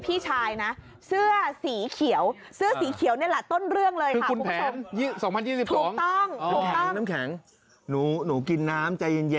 พี่ชายของขุนแผนคนนี้นั่งเป็นคนกลางในการเจรจา